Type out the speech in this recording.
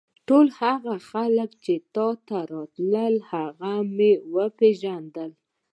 ټول هغه خلک چې تا ته راتلل هغه به مې وپېژندل.